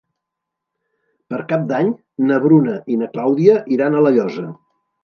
Per Cap d'Any na Bruna i na Clàudia iran a La Llosa.